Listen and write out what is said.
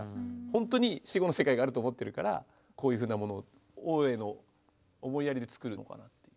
本当に死後の世界があると思っているからこういうふうなもの王への思いやりで作るのかなって。